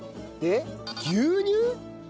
で牛乳！？